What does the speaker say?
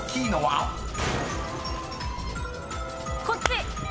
こっち！